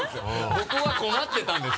僕は困ってたんです。